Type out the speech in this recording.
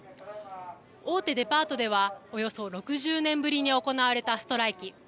大手デパートではおよそ６０年ぶりに行われたストライキ。